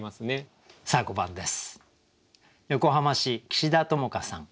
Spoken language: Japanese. さあ５番です。